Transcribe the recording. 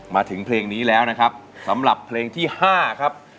มาถึงเพลงนี้แล้วนะครับสำหรับเพลงที่๕ครับ